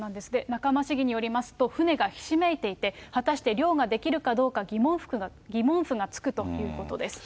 仲間市議によると、船がひしめいていて、果たして漁ができるかどうか、疑問符がつくということです。